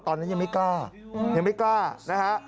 ตอนนั้นยังไม่กล้ายังไม่กล้านะฮะ